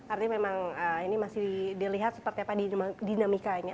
artinya memang ini masih dilihat seperti apa dinamikanya